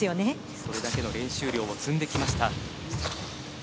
それだけの練習量を積んできました。